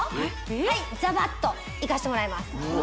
はいザバッといかしてもらいます